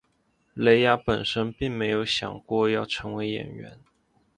蕾雅本身并没有想过要成为演员。